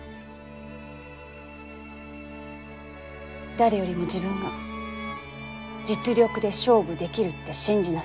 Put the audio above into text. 誰よりも自分が実力で勝負できるって信じなさい。